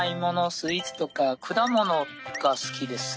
スイーツとか果物が好きですね。